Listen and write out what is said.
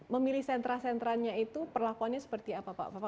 memilih sentra sentranya itu perlakuannya seperti apa pak